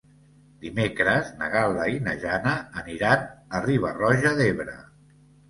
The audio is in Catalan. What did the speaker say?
Dimecres na Gal·la i na Jana aniran a Riba-roja d'Ebre.